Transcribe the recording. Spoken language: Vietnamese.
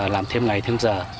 làm thêm ngày thêm giờ